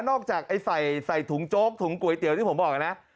ออกจากไอ้ใส่ถุงโจ๊กถุงก๋วยเตี๋ยวที่ผมบอกนะ